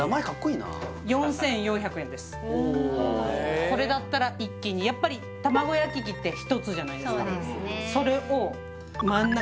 なおおこれだったら一気にやっぱり卵焼き器って１つじゃないですかそうですね